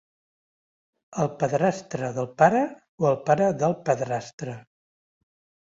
El padrastre del pare o el pare del padrastre.